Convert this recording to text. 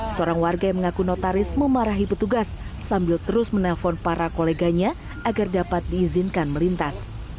seorang warga yang mengaku notaris memarahi petugas sambil terus menelpon para koleganya agar dapat diizinkan melintas